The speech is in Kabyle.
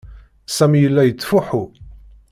Sami yella yettfuḥu.